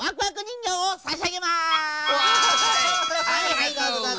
はいどうぞどうぞ。